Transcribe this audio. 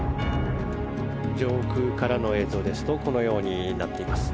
上空からの映像ですとこのようになっています。